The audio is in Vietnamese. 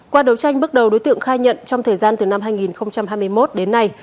qua đấu tranh bước đầu đối tượng khai nhận trong thời gian từ năm hai nghìn hai mươi một đến nay